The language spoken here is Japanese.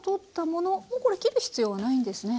もうこれ切る必要はないんですね。